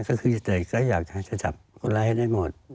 ก็คือแต่ก็อยากจะจับคนร้ายให้ได้หมด